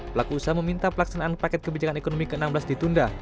pelaku usaha meminta pelaksanaan paket kebijakan ekonomi ke enam belas ditunda